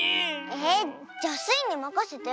えっじゃスイにまかせて。